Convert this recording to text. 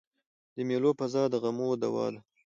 د مېلو فضا د غمو دوا ده.